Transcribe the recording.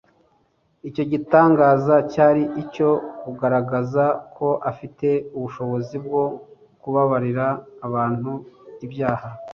Icyo gitangaza cyari icyo kugaragaza ko afite ubushobozi bwo kubabarira abantu ibyaha.